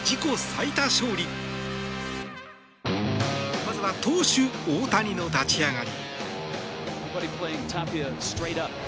まずは投手・大谷の立ち上がり。